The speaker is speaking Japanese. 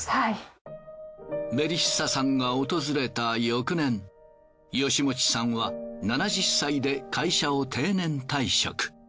メリッサさんが訪れた翌年吉用さんは７０歳で会社を定年退職。